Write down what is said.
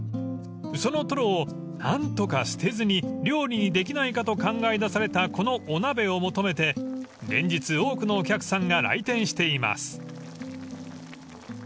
［そのトロを何とか捨てずに料理にできないかと考え出されたこのお鍋を求めて連日多くのお客さんが来店しています］